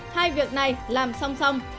hai việc này làm song song